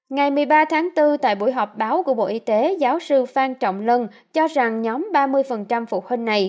ngày một mươi ba tháng bốn tại buổi họp báo của bộ y tế giáo sư phan trọng lân cho rằng nhóm ba mươi phụ huynh này